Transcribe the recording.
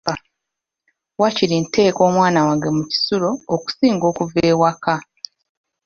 Waakiri nteeka omwana wange mu kisulo okusinga okuva ewaka.